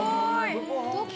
どこ？